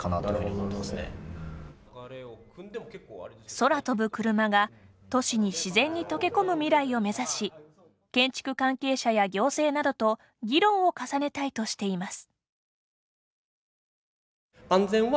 空飛ぶクルマが、都市に自然に溶け込む未来を目指し建築関係者や行政などと議論を重ねたいとしています。